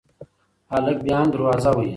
هلک بیا هم دروازه وهي.